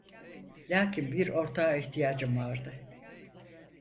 Lakin bir ortağa ihtiyacım vardı.